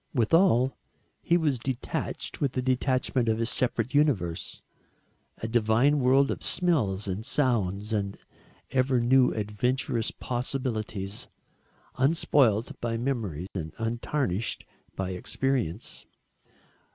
Withal he was detached with the detachment of his separate universe a divine world of smells and sounds and ever new adventurous possibilities, unspoilt by memory and untarnished by experience.